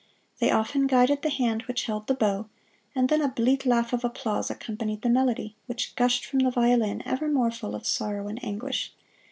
They often guided the hand which held the bow, and then a bleat laugh of applause accompanied the melody, which gushed from the violin ever more full of sorrow and anguish.